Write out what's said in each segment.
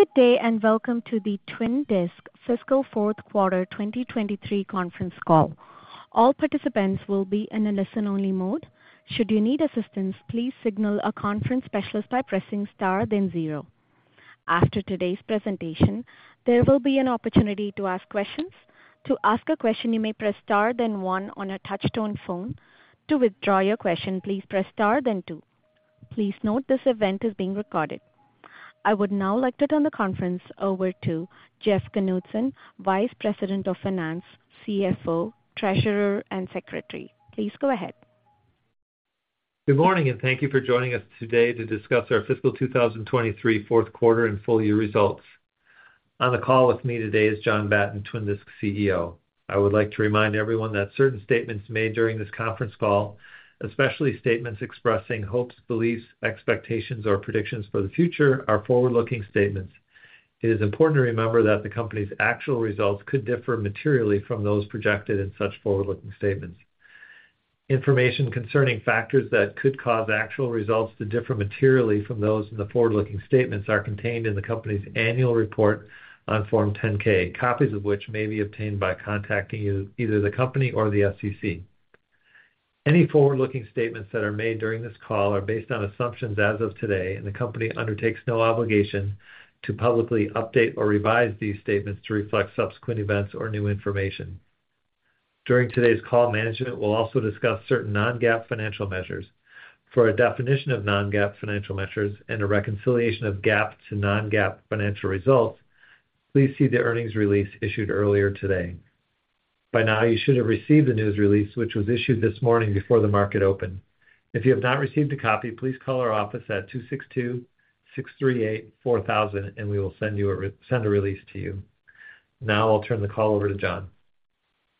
Good day, and welcome to the Twin Disc Fiscal Fourth Quarter 2023 conference call. All participants will be in a listen-only mode. Should you need assistance, please signal a conference specialist by pressing Star, then zero. After today's presentation, there will be an opportunity to ask questions. To ask a question, you may press Star, then one on a touch-tone phone. To withdraw your question, please press Star, then two. Please note, this event is being recorded. I would now like to turn the conference over to Jeff Knutson, Vice President of Finance, CFO, Treasurer, and Secretary. Please go ahead. Good morning, thank you for joining us today to discuss our fiscal 2023 fourth quarter and full year results. On the call with me today is John Batten, Twin Disc CEO. I would like to remind everyone that certain statements made during this conference call, especially statements expressing hopes, beliefs, expectations, or predictions for the future, are forward-looking statements. It is important to remember that the company's actual results could differ materially from those projected in such forward-looking statements. Information concerning factors that could cause actual results to differ materially from those in the forward-looking statements are contained in the company's annual report on Form 10-K, copies of which may be obtained by contacting either the company or the SEC. Any forward-looking statements that are made during this call are based on assumptions as of today, and the company undertakes no obligation to publicly update or revise these statements to reflect subsequent events or new information. During today's call, management will also discuss certain non-GAAP financial measures. For a definition of non-GAAP financial measures and a reconciliation of GAAP to non-GAAP financial results, please see the earnings release issued earlier today. By now, you should have received the news release, which was issued this morning before the market opened. If you have not received a copy, please call our office at 262-638-4000, and we will resend a release to you. Now I'll turn the call over to John.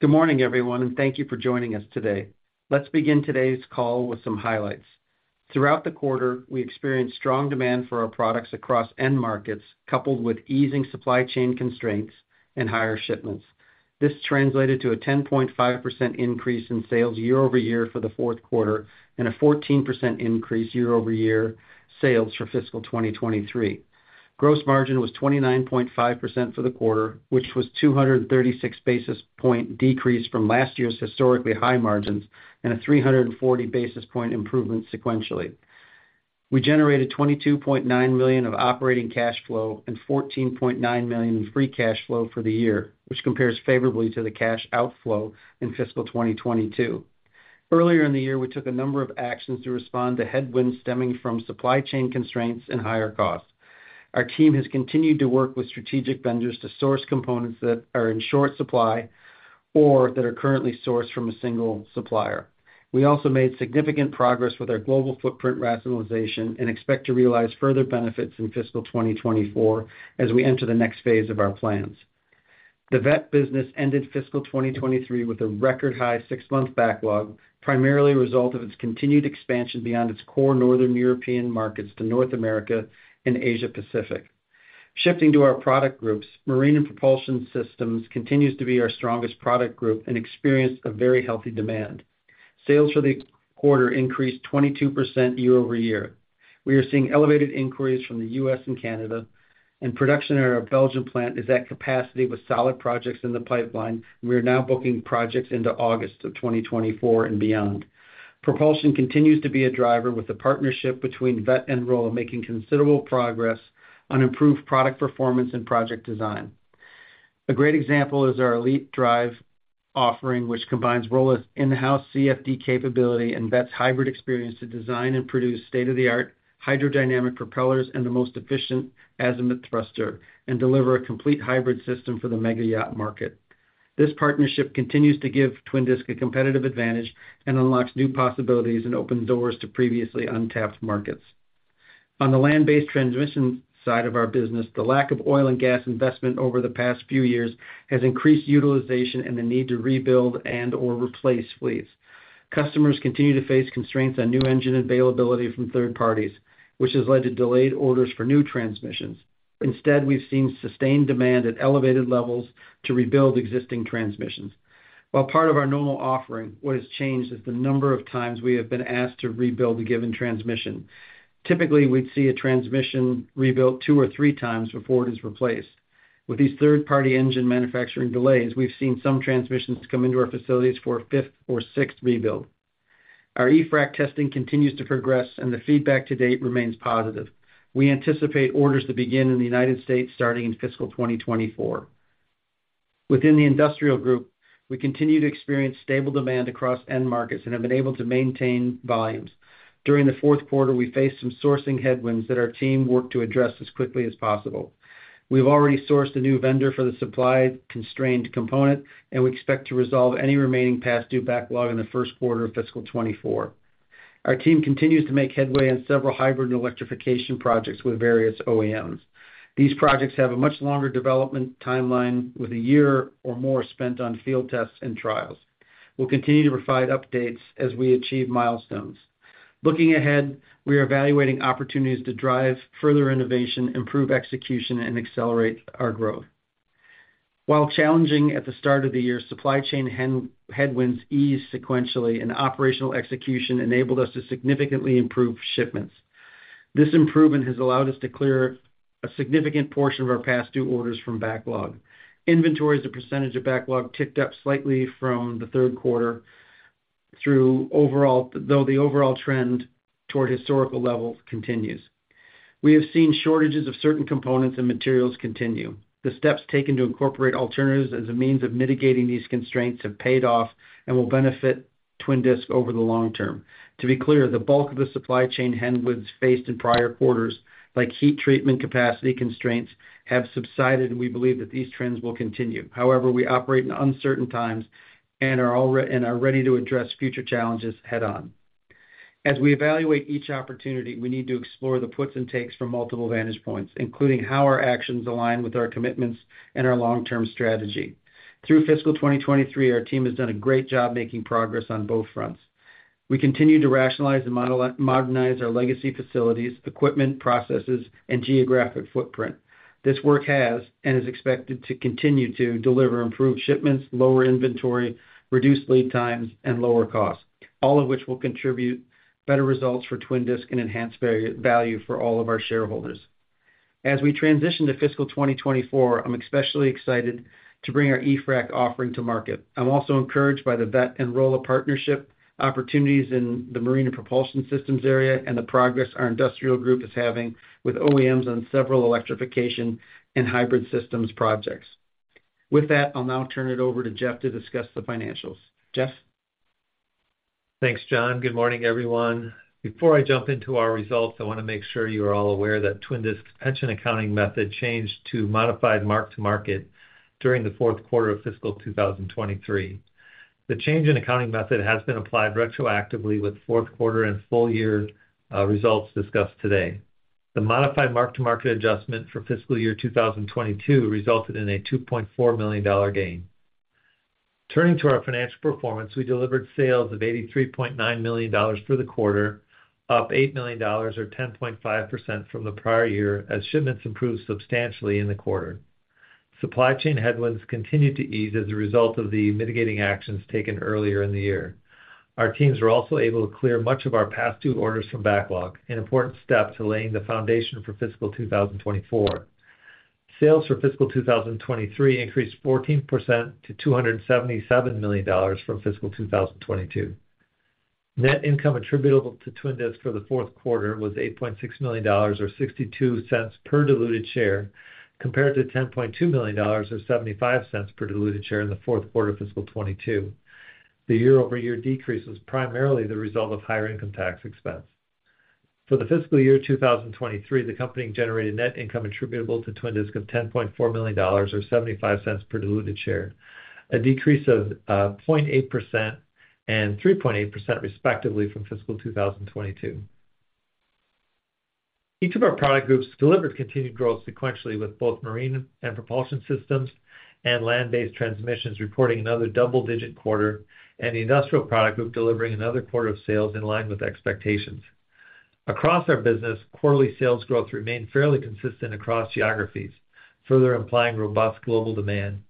Good morning, everyone, and thank you for joining us today. Let's begin today's call with some highlights. Throughout the quarter, we experienced strong demand for our products across end markets, coupled with easing supply chain constraints and higher shipments. This translated to a 10.5% increase in sales year-over-year for the fourth quarter and a 14% increase year-over-year sales for fiscal 2023. Gross margin was 29.5% for the quarter, which was 236 basis point decrease from last year's historically high margins and a 340 basis point improvement sequentially. We generated $22.9 million of operating cash flow and $14.9 million in free cash flow for the year, which compares favorably to the cash outflow in fiscal 2022. Earlier in the year, we took a number of actions to respond to headwinds stemming from supply chain constraints and higher costs. Our team has continued to work with strategic vendors to source components that are in short supply or that are currently sourced from a single supplier. We also made significant progress with our global footprint rationalization and expect to realize further benefits in fiscal 2024 as we enter the next phase of our plans. The Veth business ended fiscal 2023 with a record high 6-month backlog, primarily a result of its continued expansion beyond its core Northern European markets to North America and Asia Pacific. Shifting to our product groups, Marine and Propulsion Systems continues to be our strongest product group and experienced a very healthy demand. Sales for the quarter increased 22% year-over-year. We are seeing elevated inquiries from the U.S. and Canada, and production at our Belgian plant is at capacity with solid projects in the pipeline, and we are now booking projects into August of 2024 and beyond. Propulsion continues to be a driver, with the partnership between Veth and Rolla making considerable progress on improved product performance and project design. A great example is our e-Drive offering, which combines Rolla's in-house CFD capability and Veth's hybrid experience to design and produce state-of-the-art hydrodynamic propellers and the most efficient azimuth thruster and deliver a complete hybrid system for the mega yacht market. This partnership continues to give Twin Disc a competitive advantage and unlocks new possibilities and opens doors to previously untapped markets. On the Land-Based Transmissions side of our business, the lack of oil and gas investment over the past few years has increased utilization and the need to rebuild and/or replace fleets. Customers continue to face constraints on new engine availability from third parties, which has led to delayed orders for new transmissions. Instead, we've seen sustained demand at elevated levels to rebuild existing transmissions. While part of our normal offering, what has changed is the number of times we have been asked to rebuild a given transmission. Typically, we'd see a transmission rebuilt two or three times before it is replaced. With these third-party engine manufacturing delays, we've seen some transmissions come into our facilities for a fifth or sixth rebuild. Our e-Frac testing continues to progress, and the feedback to date remains positive. We anticipate orders to begin in the United States starting in fiscal 2024. Within the Industrial Group, we continue to experience stable demand across end markets and have been able to maintain volumes. During the fourth quarter, we faced some sourcing headwinds that our team worked to address as quickly as possible. We've already sourced a new vendor for the supply-constrained component, and we expect to resolve any remaining past due backlog in the first quarter of fiscal 2024. Our team continues to make headway on several hybrid and electrification projects with various OEMs. These projects have a much longer development timeline, with a year or more spent on field tests and trials. We'll continue to provide updates as we achieve milestones. Looking ahead, we are evaluating opportunities to drive further innovation, improve execution, and accelerate our growth. While challenging at the start of the year, supply chain headwinds eased sequentially, and operational execution enabled us to significantly improve shipments. This improvement has allowed us to clear a significant portion of our past due orders from backlog. Inventory as a percentage of backlog ticked up slightly from the third quarter through overall, though the overall trend toward historical levels continues. We have seen shortages of certain components and materials continue. The steps taken to incorporate alternatives as a means of mitigating these constraints have paid off and will benefit Twin Disc over the long term. To be clear, the bulk of the supply chain headwinds faced in prior quarters, like heat treatment capacity constraints, have subsided, and we believe that these trends will continue. However, we operate in uncertain times and are ready to address future challenges head-on. As we evaluate each opportunity, we need to explore the puts and takes from multiple vantage points, including how our actions align with our commitments and our long-term strategy. Through fiscal 2023, our team has done a great job making progress on both fronts. We continue to rationalize and modernize our legacy facilities, equipment, processes, and geographic footprint. This work has, and is expected to continue to, deliver improved shipments, lower inventory, reduced lead times, and lower costs, all of which will contribute better results for Twin Disc and enhance value for all of our shareholders. As we transition to fiscal 2024, I'm especially excited to bring our e-Frac offering to market. I'm also encouraged by the Veth and Rolla partnership, opportunities in the Marine and Propulsion Systems area, and the progress our Industrial Group is having with OEMs on several electrification and hybrid systems projects. With that, I'll now turn it over to Jeff to discuss the financials. Jeff? Thanks, John. Good morning, everyone. Before I jump into our results, I want to make sure you are all aware that Twin Disc's pension accounting method changed to modified mark-to-market during the fourth quarter of fiscal 2023. The change in accounting method has been applied retroactively with fourth quarter and full year results discussed today. The modified mark-to-market adjustment for fiscal year 2022 resulted in a $2.4 million gain. Turning to our financial performance, we delivered sales of $83.9 million for the quarter, up $8 million or 10.5% from the prior year, as shipments improved substantially in the quarter. Supply chain headwinds continued to ease as a result of the mitigating actions taken earlier in the year. Our teams were also able to clear much of our past due orders from backlog, an important step to laying the foundation for fiscal 2024. Sales for fiscal 2023 increased 14% to $277 million from fiscal 2022. Net income attributable to Twin Disc for the fourth quarter was $8.6 million, or $0.62 per diluted share, compared to $10.2 million, or $0.75 per diluted share in the fourth quarter of fiscal 2022. The year-over-year decrease was primarily the result of higher income tax expense. For the fiscal year 2023, the company generated net income attributable to Twin Disc of $10.4 million, or $0.75 per diluted share, a decrease of 0.8% and 3.8% respectively from fiscal 2022. Each of our Product Groups delivered continued growth sequentially, with both Marine and Propulsion Systems and Land-Based Transmissions reporting another double-digit quarter, and the Industrial product group delivering another quarter of sales in line with expectations. Across our business, quarterly sales growth remained fairly consistent across geographies, further implying robust global demand.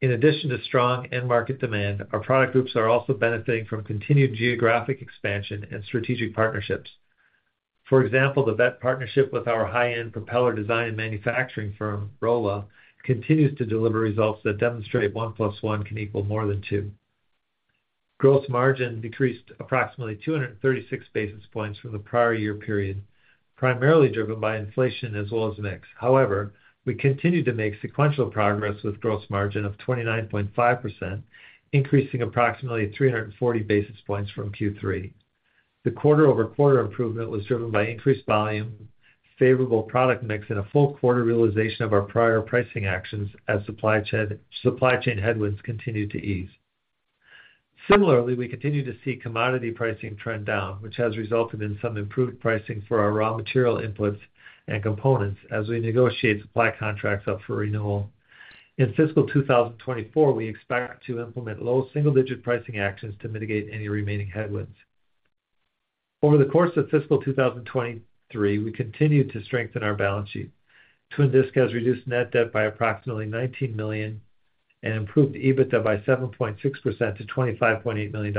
In addition to strong end market demand, our product groups are also benefiting from continued geographic expansion and strategic partnerships. For example, the Veth partnership with our high-end propeller design and manufacturing firm, Rolla, continues to deliver results that demonstrate 1 plus 1 can equal more than 2. Gross margin decreased approximately 236 basis points from the prior year period, primarily driven by inflation as well as mix. We continued to make sequential progress with gross margin of 29.5%, increasing approximately 340 basis points from Q3. The quarter-over-quarter improvement was driven by increased volume, favorable product mix, and a full quarter realization of our prior pricing actions as supply chain, supply chain headwinds continued to ease. Similarly, we continued to see commodity pricing trend down, which has resulted in some improved pricing for our raw material inputs and components as we negotiate supply contracts up for renewal. In fiscal 2024, we expect to implement low single-digit pricing actions to mitigate any remaining headwinds. Over the course of fiscal 2023, we continued to strengthen our balance sheet. Twin Disc has reduced net debt by approximately $19 million and improved EBITDA by 7.6% to $25.8 million.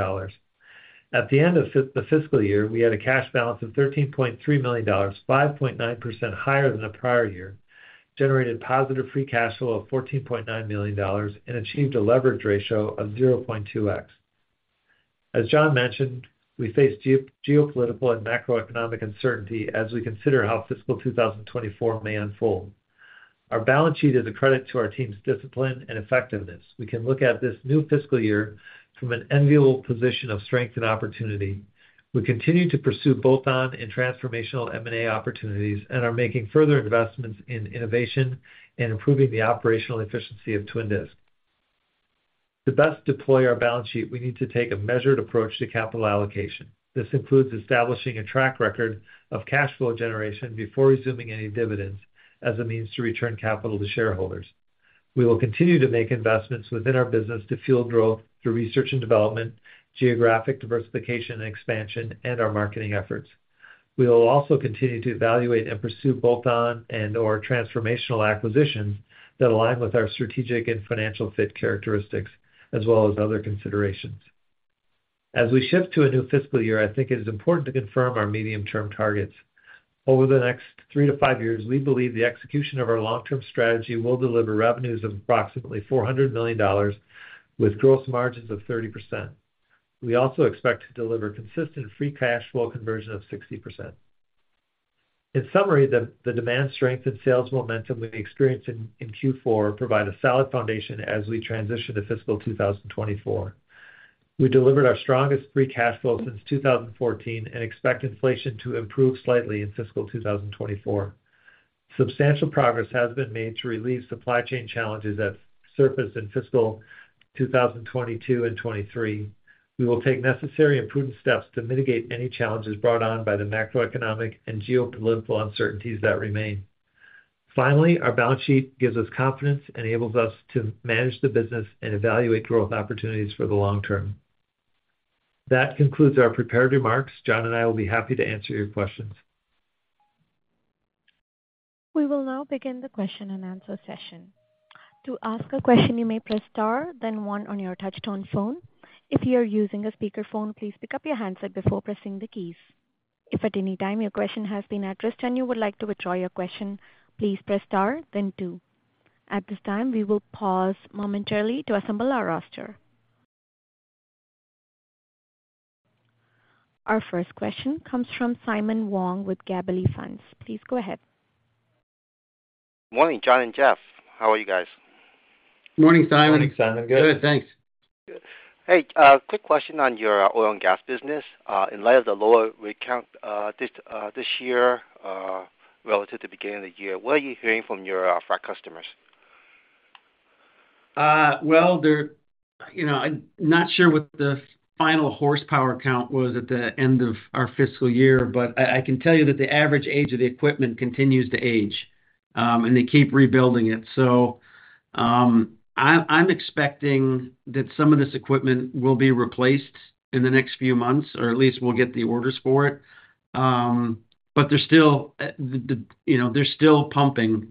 At the end of the fiscal year, we had a cash balance of $13.3 million, 5.9% higher than the prior year, generated positive free cash flow of $14.9 million, and achieved a leverage ratio of 0.2x. As John mentioned, we face geopolitical and macroeconomic uncertainty as we consider how fiscal 2024 may unfold. Our balance sheet is a credit to our team's discipline and effectiveness. We can look at this new fiscal year from an enviable position of strength and opportunity. We continue to pursue both on and transformational M&A opportunities and are making further investments in innovation and improving the operational efficiency of Twin Disc. To best deploy our balance sheet, we need to take a measured approach to capital allocation. This includes establishing a track record of cash flow generation before resuming any dividends as a means to return capital to shareholders. We will continue to make investments within our business to fuel growth through research and development, geographic diversification and expansion, and our marketing efforts. We will also continue to evaluate and pursue bolt-on and or transformational acquisitions that align with our strategic and financial fit characteristics, as well as other considerations. As we shift to a new fiscal year, I think it is important to confirm our medium-term targets. Over the next 3years-5 years, we believe the execution of our long-term strategy will deliver revenues of approximately $400 million with gross margins of 30%. We also expect to deliver consistent free cash flow conversion of 60%. In summary, the, the demand strength and sales momentum we experienced in, in Q4 provide a solid foundation as we transition to fiscal 2024. We delivered our strongest free cash flow since 2014 and expect inflation to improve slightly in fiscal 2024. Substantial progress has been made to relieve supply chain challenges that surfaced in fiscal 2022 and 2023. We will take necessary and prudent steps to mitigate any challenges brought on by the macroeconomic and geopolitical uncertainties that remain. Finally, our balance sheet gives us confidence and enables us to manage the business and evaluate growth opportunities for the long term. That concludes our prepared remarks. John and I will be happy to answer your questions. We will now begin the question-and-answer session. To ask a question, you may press star, then one on your touchtone phone. If you are using a speakerphone, please pick up your handset before pressing the keys. If at any time your question has been addressed and you would like to withdraw your question, please press star then two. At this time, we will pause momentarily to assemble our roster. Our first question comes from Simon Wong with Gabelli Funds. Please go ahead. Morning, John and Jeff. How are you guys? Morning, Simon. Morning, Simon. Good. Good, thanks. Hey, quick question on your oil and gas business. In light of the lower rig count, this year, relative to the beginning of the year, what are you hearing from your frac customers? Well, they're... You know, I'm not sure what the final horsepower count was at the end of our fiscal year, but I, I can tell you that the average age of the equipment continues to age, and they keep rebuilding it. I'm, I'm expecting that some of this equipment will be replaced in the next few months, or at least we'll get the orders for it. They're still, the, the, you know, they're still pumping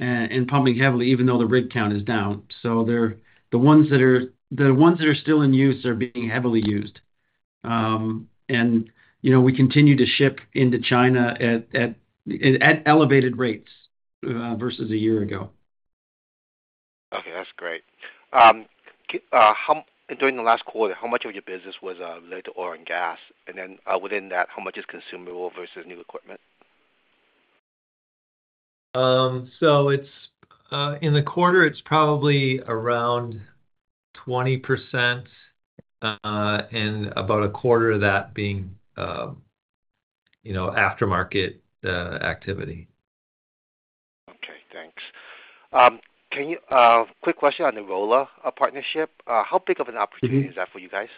and pumping heavily even though the rig count is down. The ones that are, the ones that are still in use are being heavily used. You know, we continue to ship into China at, at, at elevated rates versus a year ago. Okay, that's great. How during the last quarter, how much of your business was related to oil and gas? Then, within that, how much is consumable versus new equipment? It's in the quarter, it's probably around 20% and about 25% of that being, you know, aftermarket activity. Okay, thanks. Can you, quick question on the Rolla partnership. How big of an opportunity- Mm-hmm. Is that for you guys?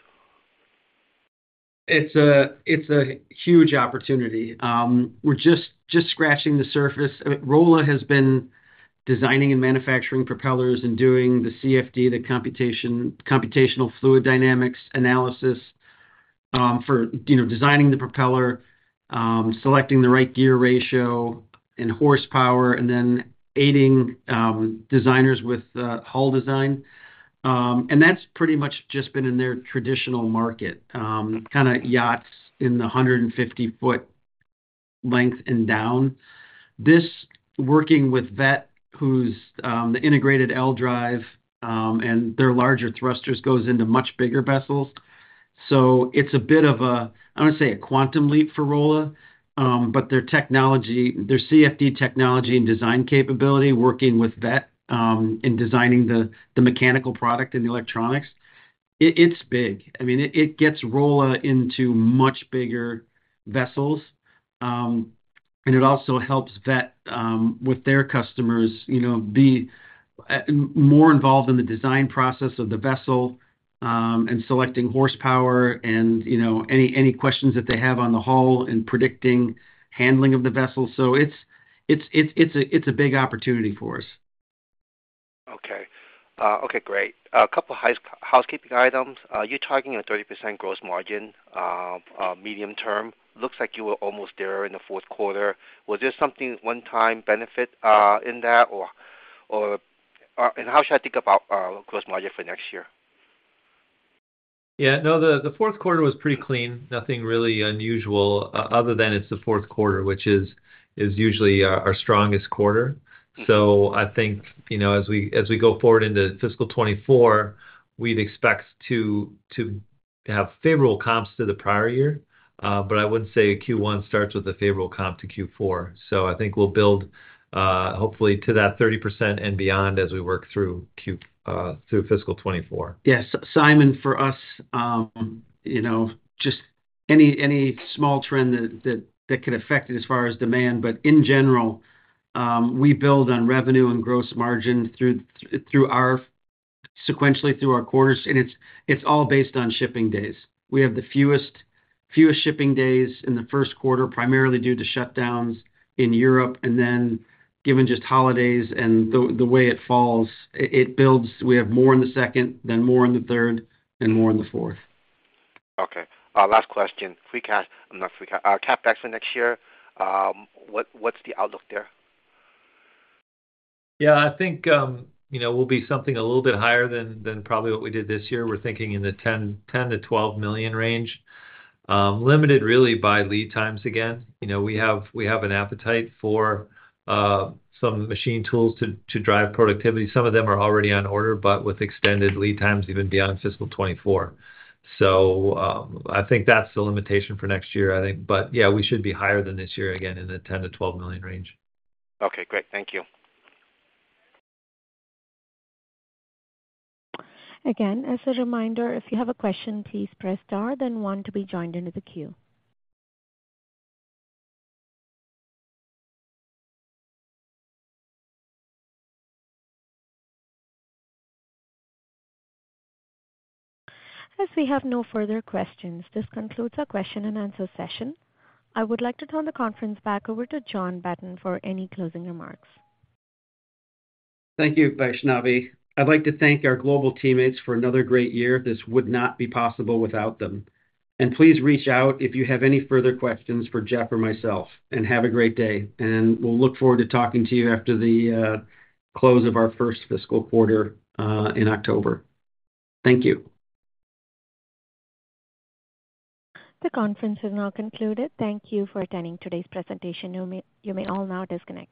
It's a, it's a huge opportunity. We're just, just scratching the surface. Rolla has been designing and manufacturing propellers and doing the CFD, the computational fluid dynamics analysis, for, you know, designing the propeller, selecting the right gear ratio and horsepower, and then aiding designers with hull design. That's pretty much just been in their traditional market, kind of yachts in the 150 foot length and down. This, working with Veth, whose the integrated L-drive and their larger thrusters goes into much bigger vessels. It's a bit of a, I want to say, a quantum leap for Rolla. Their technology, their CFD technology and design capability, working with Veth, in designing the mechanical product and the electronics, it, it's big. I mean, it, it gets Rolla into much bigger vessels. It also helps Veth with their customers, you know, be more involved in the design process of the vessel, and selecting horsepower and, you know, any, any questions that they have on the hull and predicting handling of the vessel. It's, it's, it's, it's a, it's a big opportunity for us. Okay. Okay, great. A couple housekeeping items. You're targeting a 30% gross margin, medium term. Looks like you were almost there in the fourth quarter. Was this something one-time benefit in that? Or, how should I think about gross margin for next year? Yeah. No, the, the fourth quarter was pretty clean. Nothing really unusual, other than it's the fourth quarter, which is, is usually our, our strongest quarter. I think, you know, as we, as we go forward into fiscal 2024, we'd expect to, to have favorable comps to the prior year. I would say Q1 starts with a favorable comp to Q4. I think we'll build, hopefully to that 30% and beyond as we work through fiscal 2024. Yes, Simon, for us, you know, just any, any small trend that, that, that could affect it as far as demand. In general, we build on revenue and gross margin through, through our sequentially through our quarters. It's, it's all based on shipping days. We have the fewest, fewest shipping days in the first quarter, primarily due to shutdowns in Europe. Given just holidays and the, the way it falls, it, it builds. We have more in the second, then more in the third, then more in the fourth. Okay. last question. Free cash, not free cash, CapEx for next year, what, what's the outlook there? Yeah, I think, you know, we'll be something a little bit higher than, than probably what we did this year. We're thinking in the $10 million-$12 million range, limited really by lead times again. You know, we have, we have an appetite for some machine tools to, to drive productivity. Some of them are already on order, but with extended lead times, even beyond fiscal 2024. I think that's the limitation for next year, I think. Yeah, we should be higher than this year, again, in the $10 million-$12 million range. Okay, great. Thank you. Again, as a reminder, if you have a question, please press star then one to be joined into the queue. As we have no further questions, this concludes our question and answer session. I would like to turn the conference back over to John Batten for any closing remarks. Thank you, Vaishnavi. I'd like to thank our global teammates for another great year. This would not be possible without them. Please reach out if you have any further questions for Jeff or myself. Have a great day. We'll look forward to talking to you after the close of our first fiscal quarter in October. Thank you. The conference is now concluded. Thank you for attending today's presentation. You may all now disconnect.